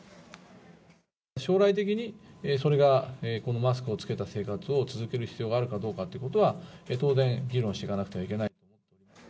将来的に、それが、このマスクをつけた生活を続ける必要があるかどうかということは、当然、議論していかなくてはいけない。